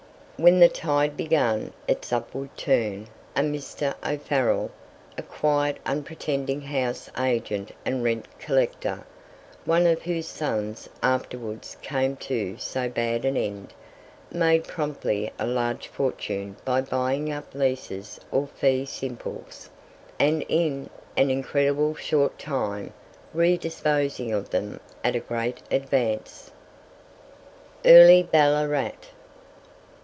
When the tide began its upward turn, a Mr. O'Farrell, a quiet unpretending house agent and rent collector (one of whose sons afterwards came to so bad an end), made promptly a large fortune by buying up leases or fee simples, and in an incredibly short time re disposing of them at a great advance. EARLY BALLARAT.